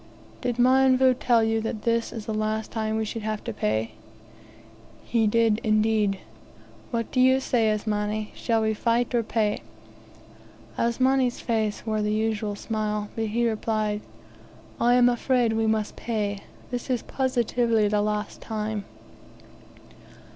"Did Mionvu tell you that this is the last time we would have to pay?" "He did, indeed." "What do you say, Asmani? Shall we fight or pay?" Asmani's face wore the usual smile, but he replied, "I am afraid we must pay. This is positively the last time."